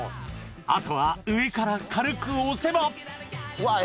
あとは上から軽く押せばうわっ